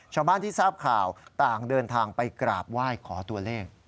ชาวบ้านที่ทราบข่าวต่างเดินทางไปกราบไหว้ขอตัวเลข